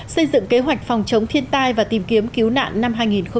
xây dựng kế hoạch phòng chống thiên tai và tìm kiếm cứu nạn năm hai nghìn một mươi tám